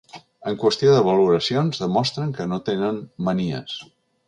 En qüestió de valoracions demostren que no tenen manies.